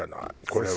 これは。